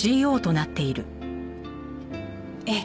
ええ。